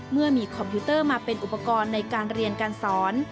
เมื่อมีคอมพิวเตอร์มาเป็นอุปกรณ์ในการเรียนการสอน